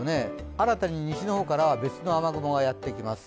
新たに西の方から別の雨雲がやってきます。